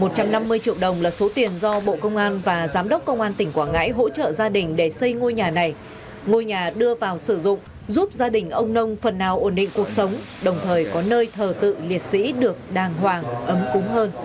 một trăm năm mươi triệu đồng là số tiền do bộ công an và giám đốc công an tỉnh quảng ngãi hỗ trợ gia đình để xây ngôi nhà này ngôi nhà đưa vào sử dụng giúp gia đình ông nông phần nào ổn định cuộc sống đồng thời có nơi thờ tự liệt sĩ được đàng hoàng ấm cúng hơn